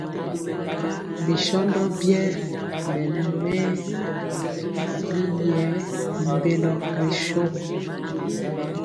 Bi shóndo biɛɛ melu mɛɛ y yɛɛ mbélo ri shó.